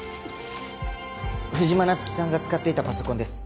藤間菜月さんが使っていたパソコンです。